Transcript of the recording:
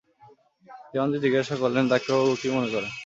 দেওয়ানজি জিজ্ঞাসা করলেন, ডাক্তারবাবু, কী মনে করেন?